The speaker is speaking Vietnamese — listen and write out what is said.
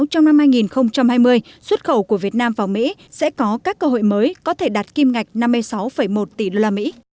rồi xuất khẩu của việt nam vào mỹ sẽ có các cơ hội mới có thể đạt kim ngạch năm mươi sáu một tỷ usd